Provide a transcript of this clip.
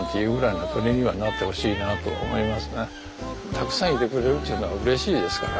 たくさんいてくれるっちゅうのはうれしいですから。